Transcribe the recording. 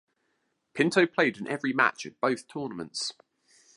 Pinto played in every match at both tournaments.